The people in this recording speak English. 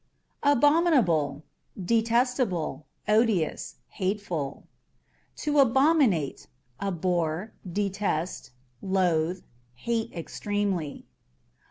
Abominable â€" detestable, odious, hateful. To Abominate â€" abhor, detest, loathe, hate extremely.